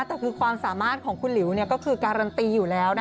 แต่คือความสามารถของคุณหลิวก็คือการันตีอยู่แล้วนะ